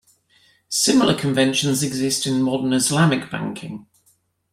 Similar conventions exist in modern Islamic banking.